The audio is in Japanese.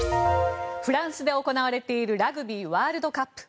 フランスで行われているラグビーワールドカップ。